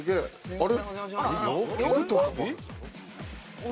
あれ？